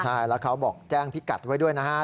ใช่แล้วเขาบอกแจ้งพิกัดไว้ด้วยนะฮะ